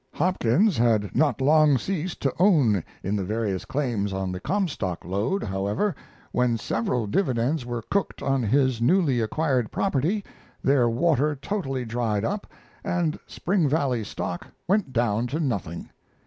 Hopkins had not long ceased to own in the various claims on the Comstock lead, however, when several dividends were cooked on his newly acquired property, their water totally dried up, and Spring Valley stock went down to nothing.